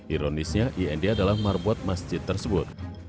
ironisnya ind adalah marbot masjid tersebut